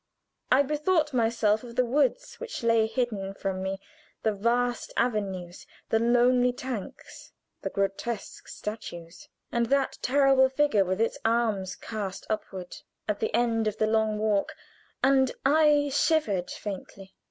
I bethought myself of the woods which lay hidden from me, the vast avenues, the lonely tanks, the grotesques statues, and that terrible figure with its arms cast upward, at the end of the long walk, and I shivered faintly.